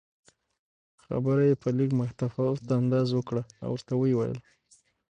خبره په لږ څه متفاوت انداز وکړه او ورته ویې ویل